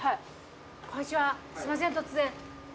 すいません突然。